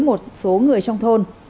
một số người trong thôn